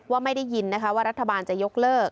ไม่ได้ยินนะคะว่ารัฐบาลจะยกเลิก